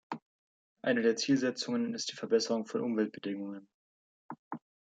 Eine der Zielsetzungen ist die Verbesserung von Umweltbedingungen.